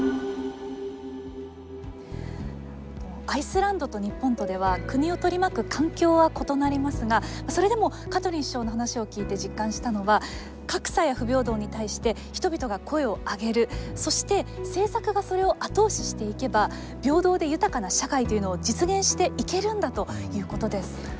アイスランドと日本とでは国を取り巻く環境は異なりますがそれでもカトリン首相の話を聞いて実感したのは格差や不平等に対して人々が声を上げるそして政策がそれを後押ししていけば平等で豊かな社会というのを実現していけるんだということです。